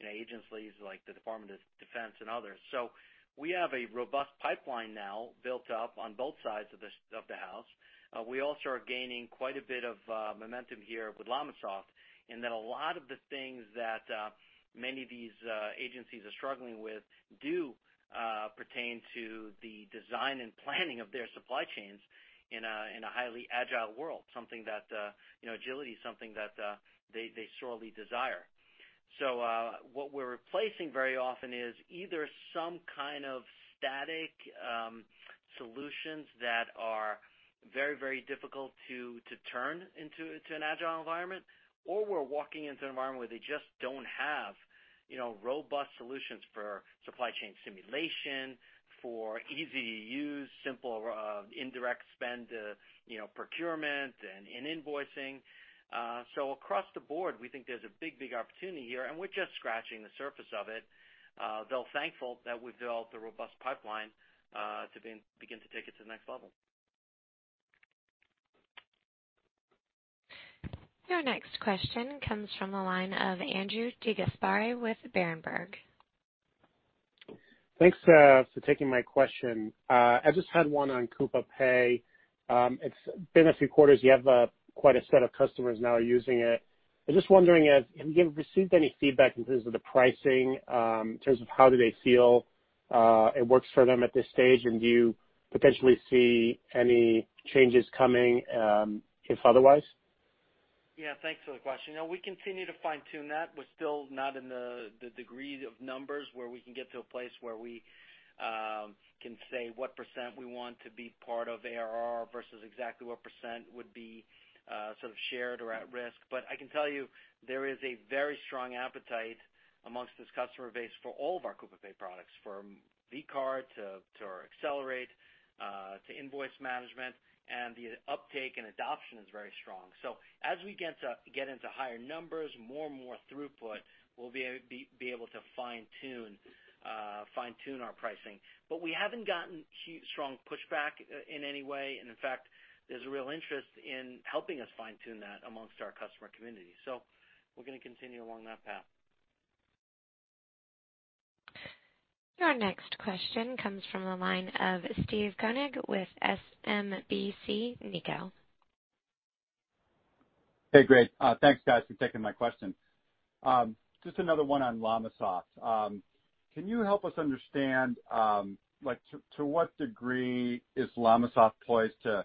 agencies like the Department of Defense and others. We have a robust pipeline now built up on both sides of the house. We also are gaining quite a bit of momentum here with LLamasoft, and that a lot of the things that many of these agencies are struggling with do pertain to the design and planning of their supply chains in a highly agile world. Agility is something that they sorely desire. What we're replacing very often is either some kind of static solutions that are very difficult to turn into an agile environment, or we're walking into an environment where they just don't have robust solutions for supply chain simulation, for easy to use, simple indirect spend procurement and in invoicing. Across the board, we think there's a big opportunity here, and we're just scratching the surface of it, though thankful that we've developed a robust pipeline to begin to take it to the next level. Your next question comes from the line of Andrew DeGasperi with Berenberg. Thanks for taking my question. I just had one on Coupa Pay. It's been a few quarters. You have quite a set of customers now using it. I'm just wondering, have you received any feedback in terms of the pricing, in terms of how do they feel it works for them at this stage? Do you potentially see any changes coming, if otherwise? Yeah, thanks for the question. We continue to fine-tune that. We're still not in the degree of numbers where we can get to a place where we can say what % we want to be part of ARR versus exactly what % would be sort of shared or at risk. I can tell you there is a very strong appetite amongst this customer base for all of our Coupa Pay products, from vCard to our Accelerate to invoice management, and the uptake and adoption is very strong. As we get into higher numbers, more and more throughput, we'll be able to fine-tune our pricing. We haven't gotten strong pushback in any way. In fact, there's a real interest in helping us fine-tune that amongst our customer community. We're going to continue along that path. Your next question comes from the line of Steve Koenig with SMBC Nikko. Hey, great. Thanks, guys, for taking my question. Just another one on LLamasoft. Can you help us understand, to what degree is LLamasoft poised to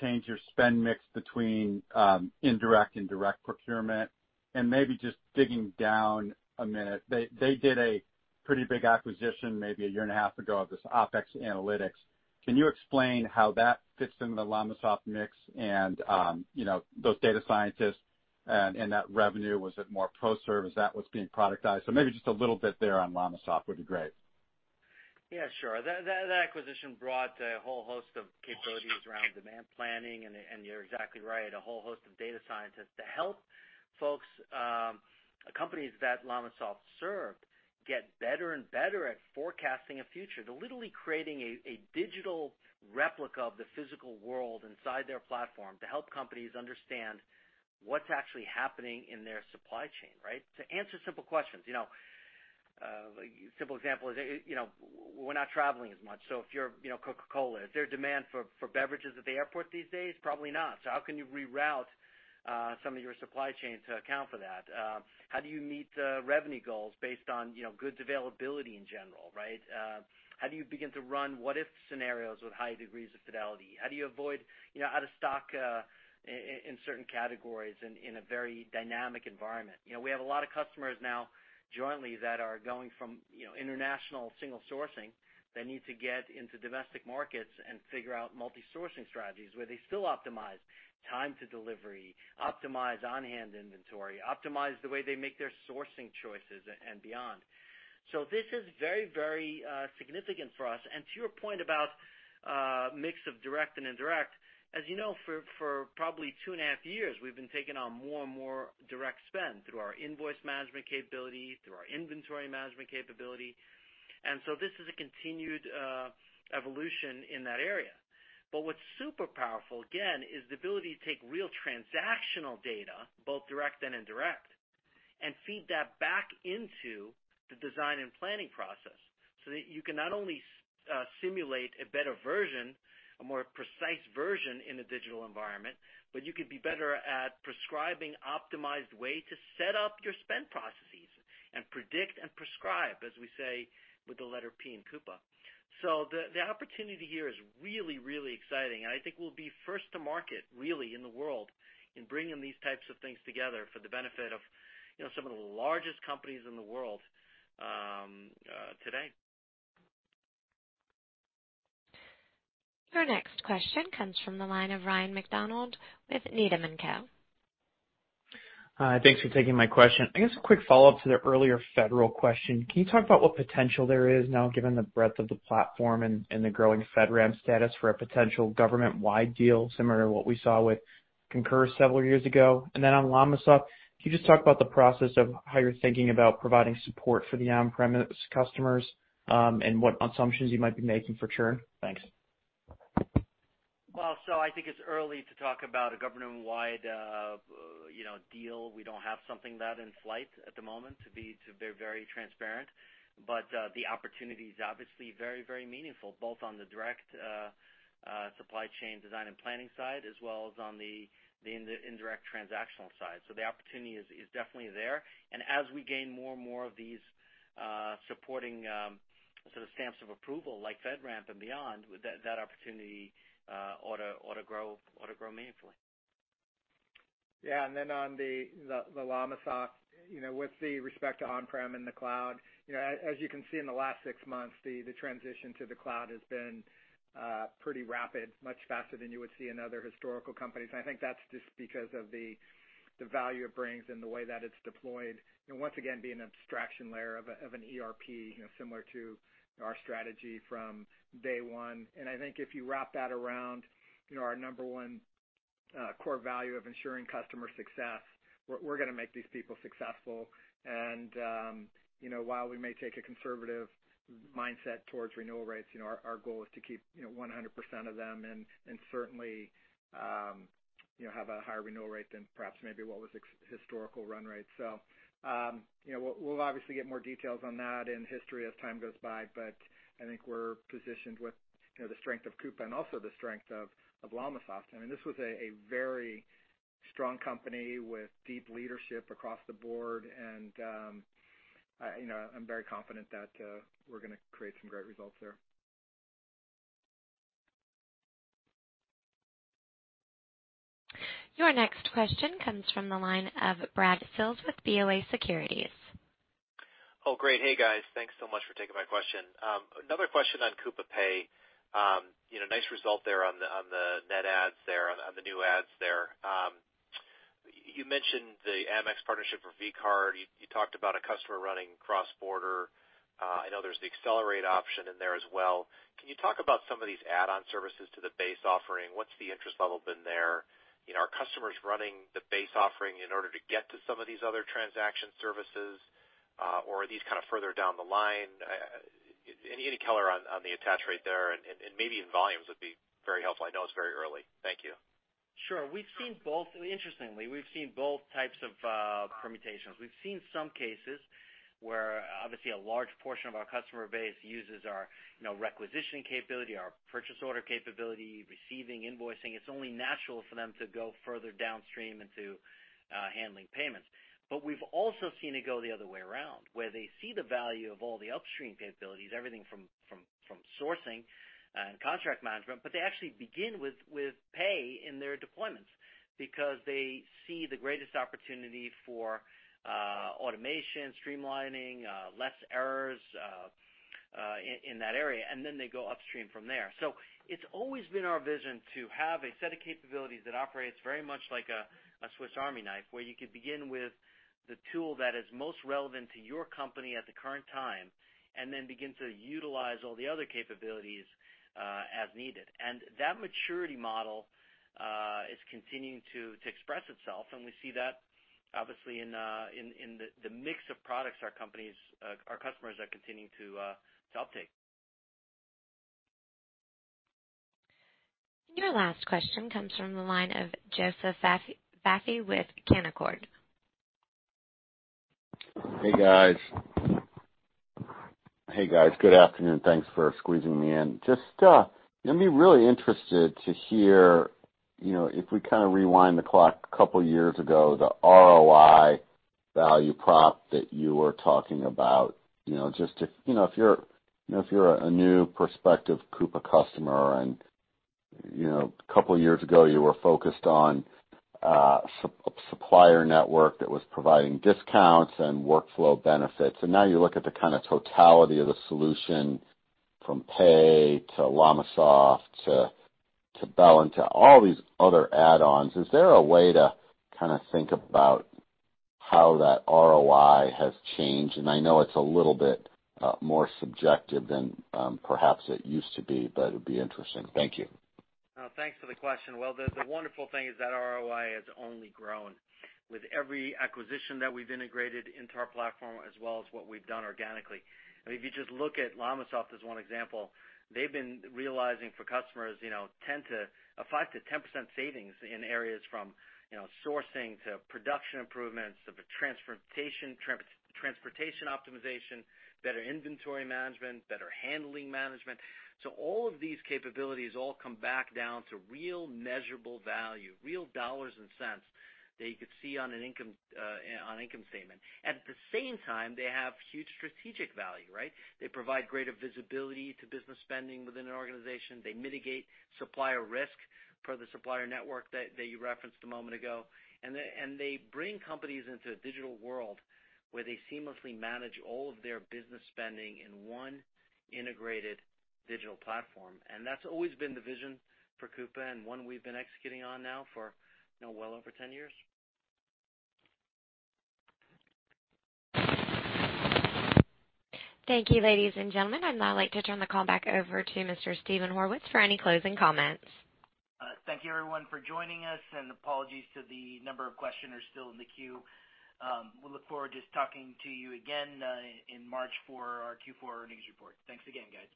change your spend mix between indirect and direct procurement? Maybe just digging down a minute, they did a pretty big acquisition maybe a year and a half ago of this Opex Analytics. Can you explain how that fits into the LLamasoft mix and those data scientists and that revenue? Was it more pro service that was being productized? Maybe just a little bit there on LLamasoft would be great. Yeah, sure. That acquisition brought a whole host of capabilities around demand planning, and you're exactly right, a whole host of data scientists to help folks, companies that LLamasoft served get better and better at forecasting a future. They're literally creating a digital replica of the physical world inside their platform to help companies understand what's actually happening in their supply chain, right? To answer simple questions. A simple example is, we're not traveling as much. If you're Coca-Cola, is there demand for beverages at the airport these days? Probably not. How can you reroute some of your supply chain to account for that? How do you meet revenue goals based on goods availability in general, right? How do you begin to run what-if scenarios with high degrees of fidelity? How do you avoid out of stock in certain categories in a very dynamic environment? We have a lot of customers now jointly that are going from international single sourcing that need to get into domestic markets and figure out multi-sourcing strategies where they still optimize time to delivery, optimize on-hand inventory, optimize the way they make their sourcing choices and beyond. This is very significant for us. To your point about mix of direct and indirect, as you know, for probably two and a half years, we've been taking on more and more direct spend through our invoice management capability, through our inventory management capability. This is a continued evolution in that area. What's super powerful, again, is the ability to take real transactional data, both direct and indirect, and feed that back into the design and planning process so that you can not only simulate a better version, a more precise version in a digital environment, but you could be better at prescribing optimized way to set up your spend processes and predict and prescribe, as we say, with the letter P in Coupa. The opportunity here is really, really exciting, and I think we'll be first to market, really, in the world in bringing these types of things together for the benefit of some of the largest companies in the world today. Your next question comes from the line of Ryan MacDonald with Needham & Co. Hi, thanks for taking my question. I guess a quick follow-up to the earlier federal question. Can you talk about what potential there is now, given the breadth of the platform and the growing FedRAMP status for a potential government-wide deal, similar to what we saw with Concur several years ago? Then on LLamasoft, can you just talk about the process of how you're thinking about providing support for the on-premise customers, and what assumptions you might be making for churn? Thanks. I think it's early to talk about a government-wide deal. We don't have something that in flight at the moment, to be very transparent. The opportunity is obviously very, very meaningful, both on the direct supply chain design and planning side, as well as on the indirect transactional side. The opportunity is definitely there. As we gain more and more of these supporting sort of stamps of approval like FedRAMP and beyond, that opportunity ought to grow meaningfully. Yeah. On the LLamasoft, with the respect to on-prem and the cloud, as you can see in the last six months, the transition to the cloud has been pretty rapid, much faster than you would see in other historical companies. I think that's just because of the value it brings and the way that it's deployed. Once again, be an abstraction layer of an ERP similar to our strategy from day one. I think if you wrap that around our number one core value of ensuring customer success, we're going to make these people successful. While we may take a conservative mindset towards renewal rates, our goal is to keep 100% of them and certainly have a higher renewal rate than perhaps maybe what was historical run rate. We'll obviously get more details on that in history as time goes by, but I think we're positioned with the strength of Coupa and also the strength of LLamasoft. I mean, this was a very strong company with deep leadership across the board, and I'm very confident that we're gonna create some great results there. Your next question comes from the line of Brad Sills with BofA Securities. Oh, great. Hey, guys. Thanks so much for taking my question. Another question on Coupa Pay. Nice result there on the net adds there, on the new adds there. You mentioned the Amex partnership for vCard. You talked about a customer running cross-border. I know there's the Accelerate option in there as well. Can you talk about some of these add-on services to the base offering? What's the interest level been there? Are customers running the base offering in order to get to some of these other transaction services? Are these kind of further down the line? Any color on the attach rate there and maybe in volumes would be very helpful. I know it's very early. Thank you. Sure. Interestingly, we've seen both types of permutations. We've seen some cases where obviously a large portion of our customer base uses our requisition capability, our purchase order capability, receiving invoicing. It's only natural for them to go further downstream into handling payments. We've also seen it go the other way around, where they see the value of all the upstream capabilities, everything from sourcing and contract management, but they actually begin with Pay in their deployments because they see the greatest opportunity for automation, streamlining, less errors, in that area, and then they go upstream from there. It's always been our vision to have a set of capabilities that operates very much like a Swiss Army knife, where you could begin with the tool that is most relevant to your company at the current time, and then begin to utilize all the other capabilities, as needed. That maturity model is continuing to express itself, and we see that obviously in the mix of products our customers are continuing to uptake. Your last question comes from the line of Joseph Vafi with Canaccord. Hey, guys. Good afternoon. Thanks for squeezing me in. Just, I'd be really interested to hear, if we kind of rewind the clock a couple of years ago, the ROI value prop that you were talking about. If you're a new prospective Coupa customer, a couple of years ago, you were focused on supplier network that was providing discounts and workflow benefits. Now you look at the kind of totality of the solution from Coupa Pay to LLamasoft to Bellin, to all these other add-ons. Is there a way to kind of think about how that ROI has changed? I know it's a little bit more subjective than perhaps it used to be, but it'd be interesting. Thank you. Thanks for the question. Well, the wonderful thing is that ROI has only grown with every acquisition that we've integrated into our platform as well as what we've done organically. I mean, if you just look at LLamasoft as one example, they've been realizing for customers a 5%-10% savings in areas from sourcing to production improvements, to transportation optimization, better inventory management, better handling management. All of these capabilities all come back down to real measurable value, real dollars and cents that you could see on an income statement. At the same time, they have huge strategic value, right? They provide greater visibility to business spending within an organization. They mitigate supplier risk per the supplier network that you referenced a moment ago. They bring companies into a digital world where they seamlessly manage all of their business spending in one integrated digital platform. That's always been the vision for Coupa, and one we've been executing on now for well over 10 years. Thank you, ladies and gentlemen. I'd now like to turn the call back over to Mr. Steven Horwitz for any closing comments. Thank you, everyone, for joining us, and apologies to the number of questioners still in the queue. We look forward to talking to you again in March for our Q4 earnings report. Thanks again, guys.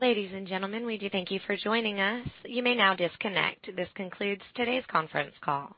Ladies and gentlemen, we do thank you for joining us. You may now disconnect. This concludes today's conference call.